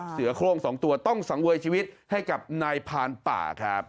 เสือโครง๒ตัวต้องสังเวยชีวิตให้กับนายพานป่าครับ